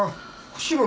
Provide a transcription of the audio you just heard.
釧路！？